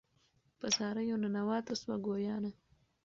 په زاریو ننواتو سوه ګویانه